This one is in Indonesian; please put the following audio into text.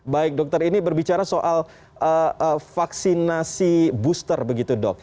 baik dokter ini berbicara soal vaksinasi booster begitu dok